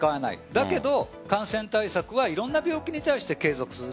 だけど感染対策はいろんな病気に対して継続する。